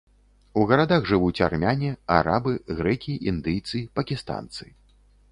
У гарадах жывуць армяне, арабы, грэкі, індыйцы, пакістанцы.